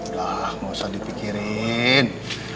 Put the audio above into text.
udah gak usah dipikirin